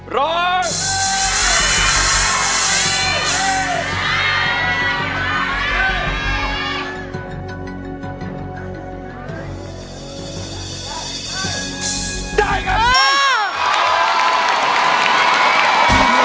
ร้องได้ไงล่ะ